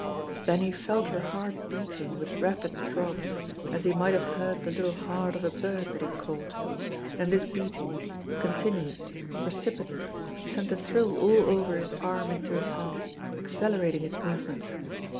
Then he felt her heart beaming with rapid throbs, as he might have heard the little heart of a bird that he had caught. And this beating, continuous, precipitate, sent a thrill all over his arm into his heart, accelerating its movements.